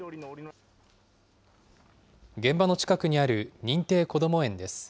現場の近くにある認定こども園です。